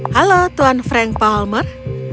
halo tuan frank palmer